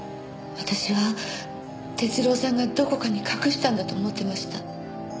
私は徹郎さんがどこかに隠したんだと思ってました。